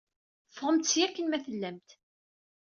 Ffɣemt seg-a! Akken ma tellamt!